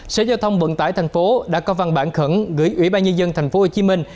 sở giao thông vận tải thành phố đã có văn bản khẩn gửi ủy ban nhân dân thành phố hồ chí minh